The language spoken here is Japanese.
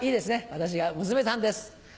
私が娘さんです。